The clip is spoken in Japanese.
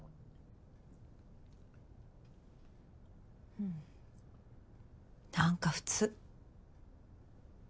うん何か普通。